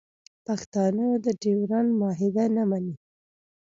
پښتانه د ډیورنډ معاهده نه مني